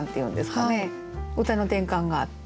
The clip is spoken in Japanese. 歌の転換があって。